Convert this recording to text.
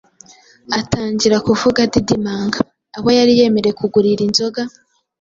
atangira kuvuga adidimanga. Abo yari yemereye kugurira inzoga